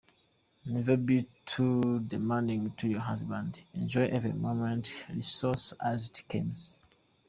Never be too demanding to your husband, enjoy every moment, resource as it comes.